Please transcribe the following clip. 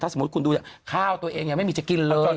สมมุติคุณดูข้าวตัวเองยังไม่มีจะกินเลย